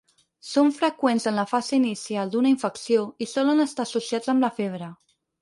Són freqüents en la fase inicial d'una infecció i solen estar associats amb la febre.